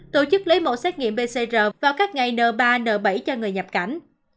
tổ chức lấy mẫu xét nghiệm pcr vào các ngày n ba n bảy cho người nhập cảnh